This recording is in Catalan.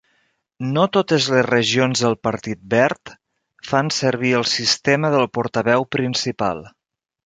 No totes les regions del Partit Verd fan servir el sistema del portaveu principal.